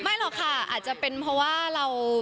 หรอกค่ะอาจจะเป็นเพราะว่าเรา